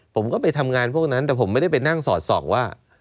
ผมก็ไปทำงานพวกนั้นแต่ผมไม่ได้ไปนั่งสอดส่องว่า